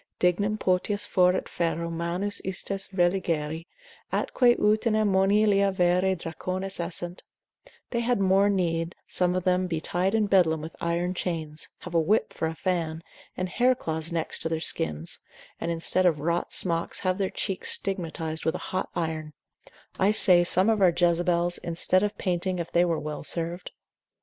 dignum potius foret ferro manus istas religari, atque utinam monilia vere dracones essent; they had more need some of them be tied in bedlam with iron chains, have a whip for a fan, and hair cloths next to their skins, and instead of wrought smocks, have their cheeks stigmatised with a hot iron: I say, some of our Jezebels, instead of painting, if they were well served.